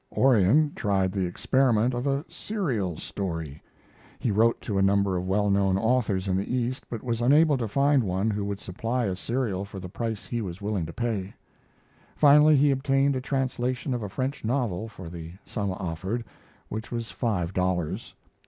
Orion tried the experiment of a serial story. He wrote to a number of well known authors in the East, but was unable to find one who would supply a serial for the price he was willing to pay. Finally he obtained a translation of a French novel for the sum offered, which was five dollars.